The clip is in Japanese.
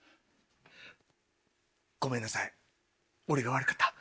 ごめんなさい俺が悪かった。